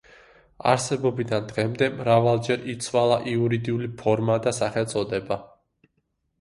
არსებობიდან დღემდე მრავალჯერ იცვალა იურიდიული ფორმა და სახელწოდება.